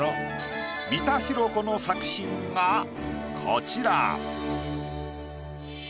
三田寛子の作品がこちら。